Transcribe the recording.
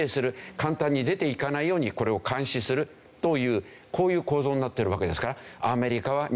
簡単に出ていかないようにこれを監視するというこういう構造になっているわけですから。